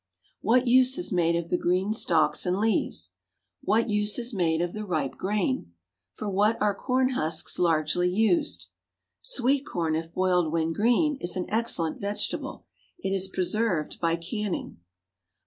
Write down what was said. What use is made of the green stalks and leaves? What use is made of the ripe grain? For what are corn husks largely used? Sweet corn, if boiled when green, is an excellent vegetable. It is preserved by canning.